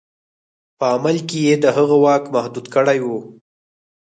په عمل کې یې د هغه واک محدود کړی وو.